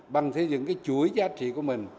bằng xây dựng cái chuỗi giá trị của mình